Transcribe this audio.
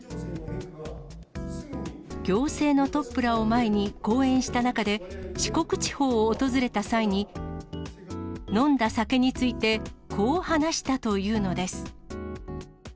行政のトップらを前に講演した中で四国地方を訪れた際に、飲んだ酒について、こう話したというのです。